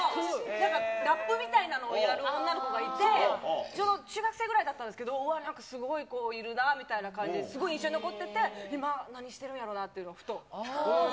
なんかラップみたいなのをやる女の子がいて、ちょうど中学生ぐらいだったんですけど、なんかすごい子いるなみたいな感じで、すごい印象に残ってて、今、何してるんやろうなって、ふと。